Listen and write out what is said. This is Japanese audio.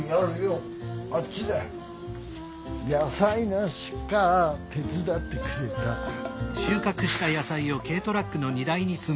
野菜の出荷手伝ってくれたら。